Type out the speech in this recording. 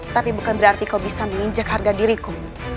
tapi bukan berarti kau bisa menginjak harga diriku